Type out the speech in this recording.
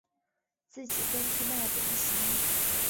自己跟去那怎么行